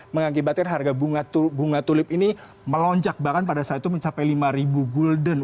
mengakibatkan harga bunga tulip ini melonjak bahkan pada saat itu mencapai lima gulden